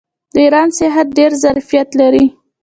د ایران سیاحت ډیر ظرفیت لري.